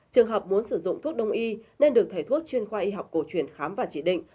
trường hợp muốn sử dụng thuốc đông y nên được thầy thuốc chuyên khoa y học cổ truyền khám và chỉ định